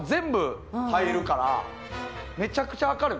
めちゃくちゃ明るい。